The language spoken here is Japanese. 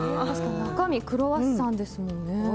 中身はクロワッサンですもんね。